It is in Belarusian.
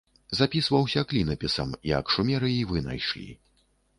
Запісваўся клінапісам, які шумеры і вынайшлі.